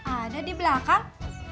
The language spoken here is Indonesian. ada di belakang